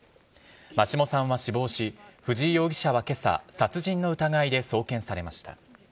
真下さんは死亡し、藤井容疑者はけさ、殺人の疑いで送検されました。